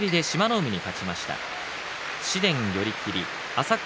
海に勝ちました。